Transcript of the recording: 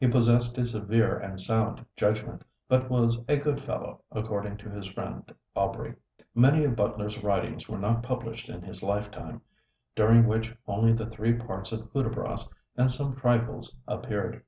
He possessed a severe and sound judgment, but was "a good fellow," according to his friend Aubrey. Many of Butler's writings were not published in his lifetime, during which only the three parts of 'Hudibras' and some trifles appeared.